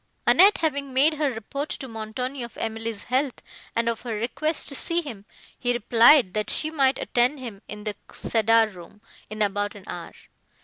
Annette having made her report to Montoni of Emily's health and of her request to see him, he replied, that she might attend him in the cedar room, in about an hour.